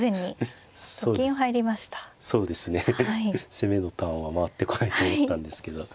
攻めのターンは回ってこないと思ったんですけど。